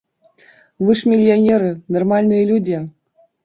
Вы ж мільянеры, нармальныя людзі.